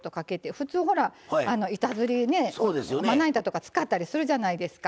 普通ほら板ずりねまな板とか使ったりするじゃないですか。